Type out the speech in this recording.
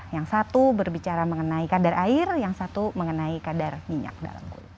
yang satu berbicara mengenai kadar air yang satu mengenai kadar minyak dalam kulit